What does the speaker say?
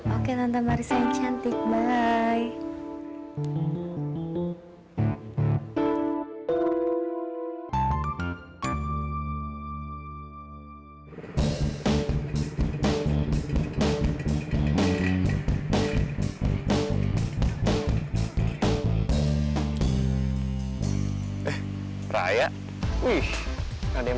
oke tante marisa yang cantik bye